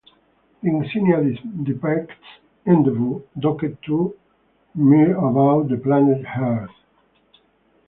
The insignia depicts "Endeavour" docked to Mir above the planet Earth.